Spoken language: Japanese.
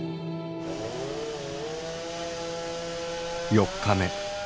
４日目。